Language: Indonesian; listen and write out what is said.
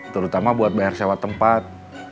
terutama buat bayar sewa tempat